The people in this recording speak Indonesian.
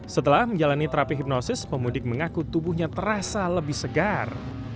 setelah menjalani terapi hipnosis pemudik mengaku tubuhnya terasa lebih segar